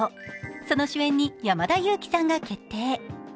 その主演に山田裕貴さんが決定。